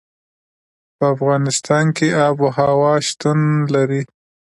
په افغانستان کې آب وهوا شتون لري.